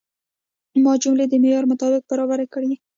ما جملې د معیار مطابق برابرې کړې.